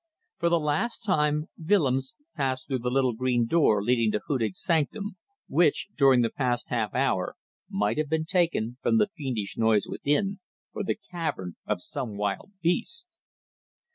For the last time Willems passed through the little green door leading to Hudig's sanctum, which, during the past half hour, might have been taken from the fiendish noise within for the cavern of some wild beast.